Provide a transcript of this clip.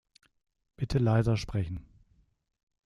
Bitte leiser sprechen.